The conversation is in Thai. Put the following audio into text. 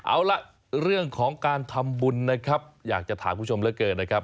เอาล่ะเรื่องของการทำบุญนะครับอยากจะถามคุณผู้ชมเหลือเกินนะครับ